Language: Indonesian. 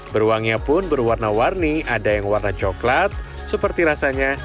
beruangnya pun berwarna warni ada yang warna coklat seperti rasanya